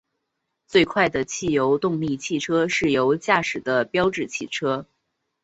最快的汽油动力汽车是由驾驶的标致汽车。